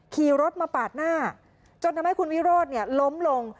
ขี่รถมาปาดหน้าจนทำให้คุณวิโรธล้มลง